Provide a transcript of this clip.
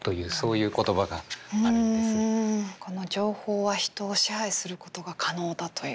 情報は人を支配することが可能だというのを。